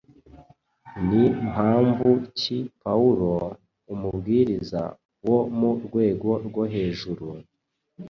Ni mpamvu ki Pawulo, umubwiriza wo mu rwego rwo hejuru,